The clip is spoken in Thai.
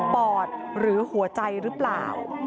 อดหรือหัวใจหรือเปล่า